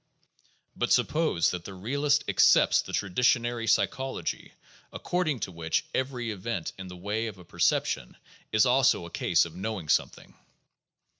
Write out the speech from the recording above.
But suppose that the realist accepts the traditionary psychology according to which every event in the way of a perception is also a case of knowing something.